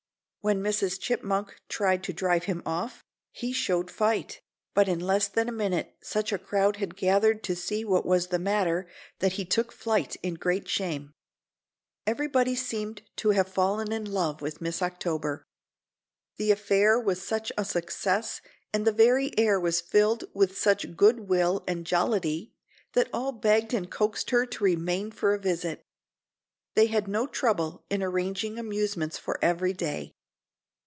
When Mrs. Chipmunk tried to drive him off, he showed fight, but in less than a minute such a crowd had gathered to see what was the matter that he took flight in great shame. Everybody seemed to have fallen in love with Miss October. The affair was such a success and the very air was filled with such good will and jollity, that all begged and coaxed her to remain for a visit. They had no trouble in arranging amusements for every day.